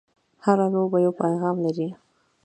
هره لوبه یو پیغام لري.